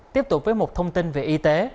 tiếp tục với một thông tin về y tế